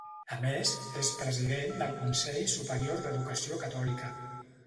A més, és president del Consell Superior d'Educació Catòlica.